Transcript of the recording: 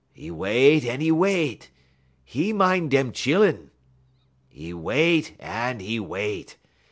'E wait en 'e wait. 'E min' dem chillun. 'E wait en 'e wait.